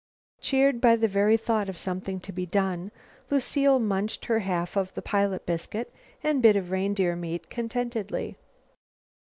Cheered by the very thought of something to be done, Lucile munched her half of the pilot biscuit and bit of reindeer meat contentedly.